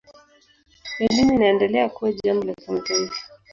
Elimu inaendelea kuwa jambo la kimataifa.